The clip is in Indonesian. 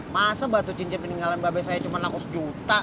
masa batu cincin meninggalin babes saya cuma nakus juta